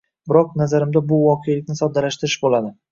biroq, nazarimda bu voqelikni soddalashtirish bo‘ladi.